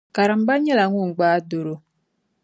Karimba nyɛla ŋun gbaai doro.